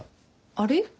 あれ？